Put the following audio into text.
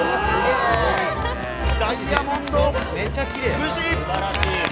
ダイヤモンド富士！